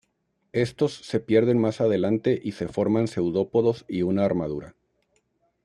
Estos se pierden más adelante y se forman seudópodos y una armadura.